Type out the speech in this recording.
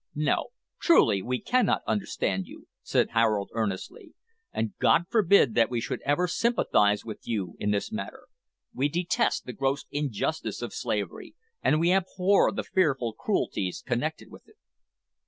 "No, truly, we can not understand you," said Harold earnestly, "and God forbid that we should ever sympathise with you in this matter. We detest the gross injustice of slavery, and we abhor the fearful cruelties connected with it."